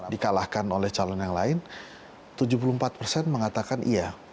dikalahkan oleh calon yang lain tujuh puluh empat persen mengatakan iya